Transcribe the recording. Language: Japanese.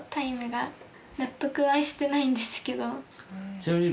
ちなみに。